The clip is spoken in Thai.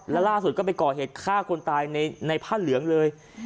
แล้วล่าสุดก็ไปก่อเหตุฆ่าคนตายในผ้าเหลืองเลย